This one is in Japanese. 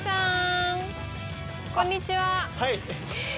はい。